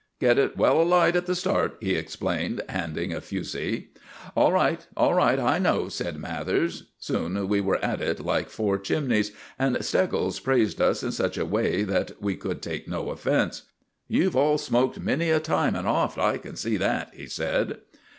"Get it well alight at the start," he explained, handing a fusee. "All right, all right, I know," said Mathers. Soon we were at it like four chimneys, and Steggles praised us in such a way that we could take no offence. "You've all smoked many a time and oft, I can see that," he said.